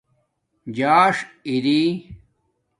جاݽ اِری